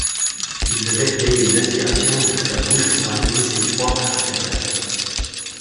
Il devait créer une aspiration avec sa bouche pour amener ses proies à l'intérieur.